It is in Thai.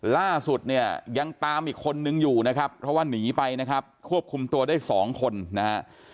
ล่าสุดเนี่ยยังตามอีกคนนึงอยู่นะครับเพราะว่าหนีไปนะครับควบคุมตัวได้สองคนนะฮะ